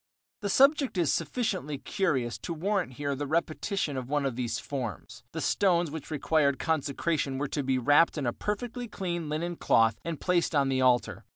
The subject is sufficiently curious to warrant here the repetition of one of these forms. The stones which required consecration were to be wrapped in a perfectly clean linen cloth and placed on the altar.